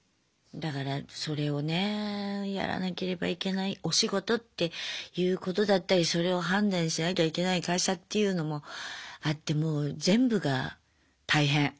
だからそれをねやらなければいけないお仕事っていうことだったりそれを判断しなきゃいけない会社っていうのもあってもう全部が大変。